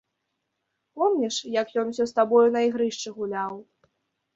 Помніш, як ён усё з табою на ігрышчы гуляў?